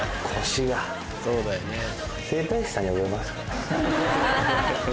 そうだよね。